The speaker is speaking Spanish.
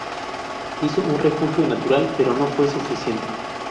Hizo un refugio natural, pero no fue suficiente.